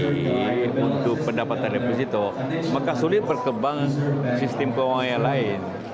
jadi untuk pendapatan deposito maka sulit berkembang sistem keuangan yang lain